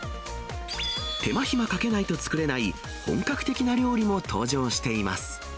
手間暇かけないと作れない本格的な料理も登場しています。